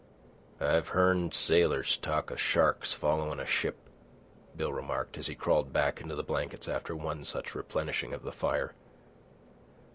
"I've hearn sailors talk of sharks followin' a ship," Bill remarked, as he crawled back into the blankets after one such replenishing of the fire.